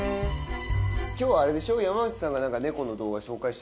今日はあれでしょ？